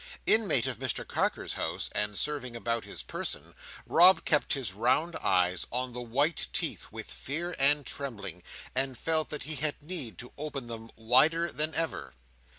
Inmate of Mr Carker's house, and serving about his person, Rob kept his round eyes on the white teeth with fear and trembling, and felt that he had need to open them wider than ever.